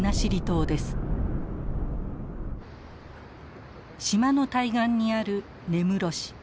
島の対岸にある根室市。